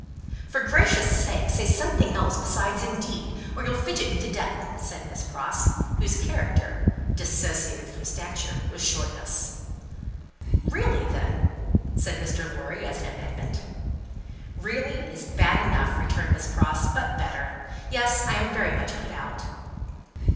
"For gracious sake say something else besides 'indeed,' or you'll fidget me to death," said Miss Pross: whose character (dissociated from stature) was shortness. "Really, then?" said Mr. Lorry, as an amendment. "Really, is bad enough," returned Miss Pross, "but better. Yes, I am very much put out."